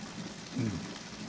うん。